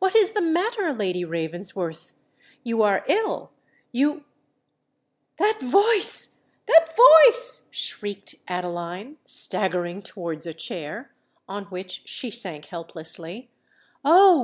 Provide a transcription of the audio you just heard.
what is the matter, Lady Ravensworth? You are ill—you——" "That voice—that voice!" shrieked Adeline, staggering towards a chair, on which she sank helplessly. "Oh!